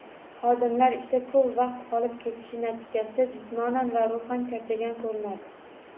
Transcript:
Xodimlar ishda koʻp vaqt qolib ketishi natijasida jismonan va ruhan charchagan koʻrinadi.